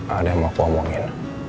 ada yang mau aku ngomongin